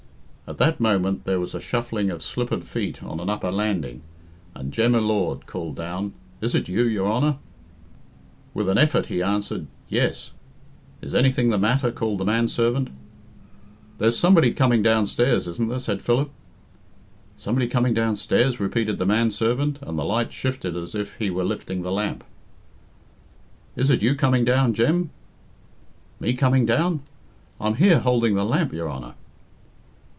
At that moment there was a shuffling of slippered feet on an upper landing, and Jem y Lord called down, "Is it you, your Honour?" With an effort he answered, "Yes." "Is anything the matter?" called the man servant. "There's somebody coming downstairs, isn't there?" said Philip. "Somebody coming downstairs?" repeated the man servant, and the light shifted as if he were lifting the lamp. "Is it you coming down, Jem?" "Me coming down? I'm here, holding the lamp, your Honour."